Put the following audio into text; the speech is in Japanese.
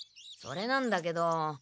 それなんだけど。